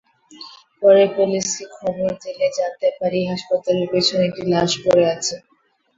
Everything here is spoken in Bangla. পরে পুলিশকে খবর দিলে জানতে পারি হাসপাতালের পেছনে একটি লাশ পড়ে আছে।